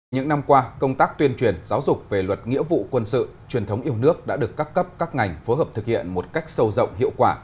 những năm qua công tác tuyên truyền giáo dục về luật nghĩa vụ quân sự truyền thống yêu nước đã được các cấp các ngành phối hợp thực hiện một cách sâu rộng hiệu quả